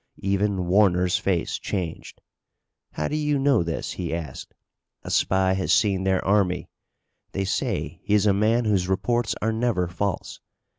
Even Warner's face changed. "How do you know this?" he asked. "A spy has seen their army. They say he is a man whose reports are never false.